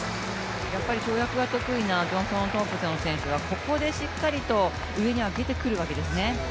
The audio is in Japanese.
やっぱり跳躍が得意なジョンソン・トンプソン選手がここでしっかりと上に上げてくるわけですね。